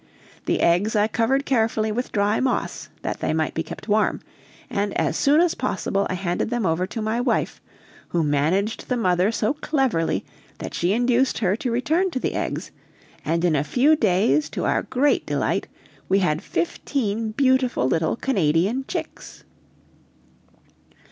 The eggs I covered carefully with dry moss, that they might be kept warm, and as soon as possible I handed them over to my wife, who managed the mother so cleverly that she induced her to return to the eggs, and in a few days, to our great delight, we had fifteen beautiful little Canadian chicks.